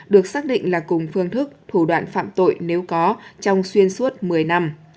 được xác định là cùng phương thức thủ đoạn phạm tội nếu có trong xuyên suốt một mươi năm